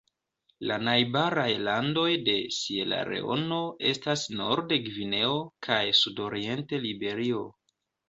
La najbaraj landoj de Sieraleono estas norde Gvineo kaj sudoriente Liberio.